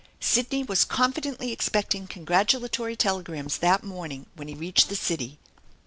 Sidney was confidently expecting congratulatory telegrams that morning when he reached the city.